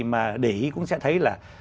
mà để ý cũng sẽ thấy là